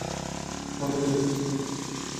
হাওড়া জেলা বৃহৎ ও মাঝারি শিল্পের জন্য বিখ্যাত।